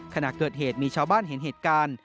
ขณะเกิดเหตุมีชาวบ้านเห็นเหตุการณ์